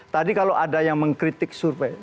tadi kalau ada yang mengkritik survei